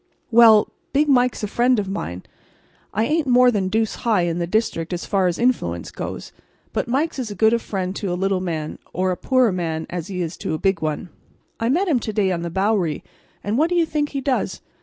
"Well, Big Mike's a friend of mine. I ain't more than deuce high in the district as far as influence goes, but Mike's as good a friend to a little man, or a poor man as he is to a big one. I met him to day on the Bowery, and what do you think he does?